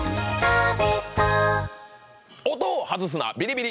「音を外すなビリビリ！